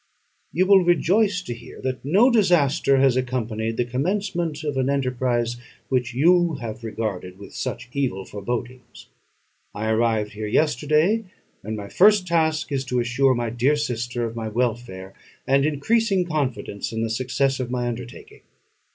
You will rejoice to hear that no disaster has accompanied the commencement of an enterprise which you have regarded with such evil forebodings. I arrived here yesterday; and my first task is to assure my dear sister of my welfare, and increasing confidence in the success of my undertaking.